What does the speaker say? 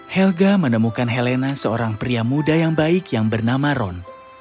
helga menemukan helena seorang pria muda yang baik yang bernama ron